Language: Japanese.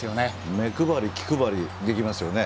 目配り気配りできますよね。